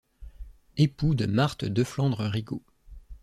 Époux de Marthe Deflandre-Rigaud.